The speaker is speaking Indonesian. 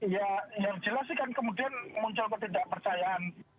ya yang jelas sih kan kemudian muncul ketidakpercayaan